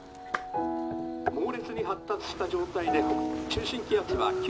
「猛烈に発達した状態で中心気圧は」。